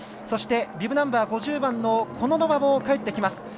そして、ビブナンバー５０番のコノノバもかえってきます。